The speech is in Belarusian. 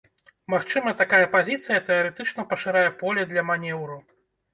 Магчыма, такая пазіцыя тэарэтычна пашырае поле для манеўру.